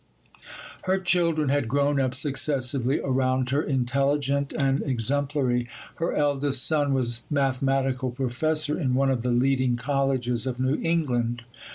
Her children had grown up successively around her, intelligent and exemplary. Her eldest son was mathematical professor in one of the leading colleges of New England.